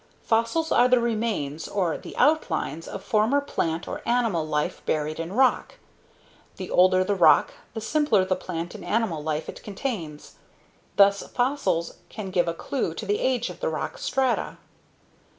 Fossils are the remains or the outlines of former plant or animal life buried in rock. The older the rock, the simpler the plant and animal life it contains. Thus fossils can give a clue to the age of the rock strata.